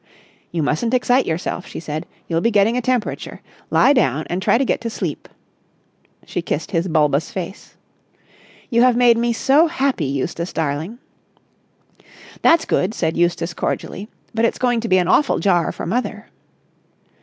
"You mustn't excite yourself," she said. "You'll be getting a temperature. Lie down and try to get to sleep." She kissed his bulbous face. "You have made me so happy, Eustace darling." "That's good," said Eustace cordially. "But it's going to be an awful jar for mother!"